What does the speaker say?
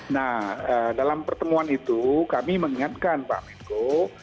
nah dalam pertemuan itu kami mengingatkan pak menko